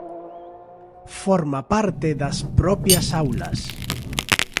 Forma parte das propias aulas.